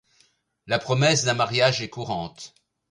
La promesse d'un mariage est courante.